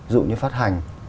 ví dụ như phát hành